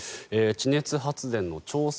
地熱発電の調査